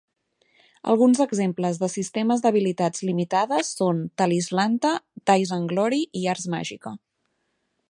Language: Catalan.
Alguns exemples de sistemes d'habilitats limitades són Talislanta, Dice and Glory i Ars Magica.